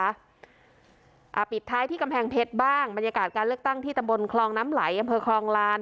อ่าปิดท้ายที่กำแพงเพชรบ้างบรรยากาศการเลือกตั้งที่ตำบลคลองน้ำไหลอำเภอคลองลาน